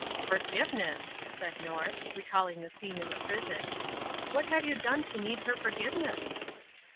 "Forgiveness!" said North, recalling the scene in the prison. "What have you done to need her forgiveness?"